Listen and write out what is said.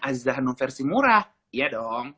azza hanoum versi murah iya dong